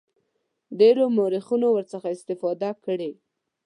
ډیرو مورخینو ورڅخه استفاده کړې.